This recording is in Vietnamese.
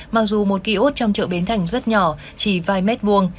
mặc dù một ký ốt trong chợ bến thành rất nhỏ chỉ vài mét vuông